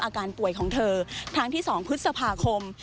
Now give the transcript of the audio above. อาการป่วยของเธอครั้งที่๒พฤษภาคม